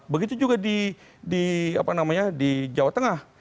begitu juga di jawa tengah